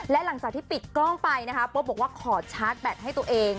และหลังจากที่ปิดกล้องไปนะคะปุ๊บบอกว่าขอชาร์จแบตให้ตัวเอง